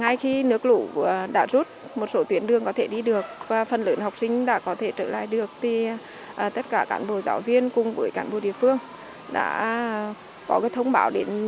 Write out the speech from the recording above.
ý chí nỗ lực vươn lên trong khó khăn của con người